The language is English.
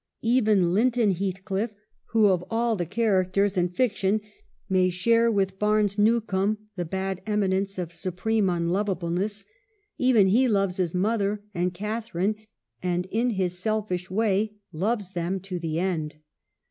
Even Linton Heathcliff, who, of all the characters in fiction, may share with Barnes Newcome the bad eminence of supreme unlovableness, even he loves his mother and Catharine, and, in his self ish way, loves them to the end.